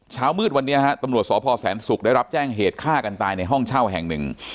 เช้ามืดวันนี้ฮะตำรวจสพแสนศุกร์ได้รับแจ้งเหตุฆ่ากันตายในห้องเช่าแห่งหนึ่ง